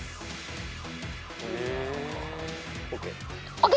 ＯＫ？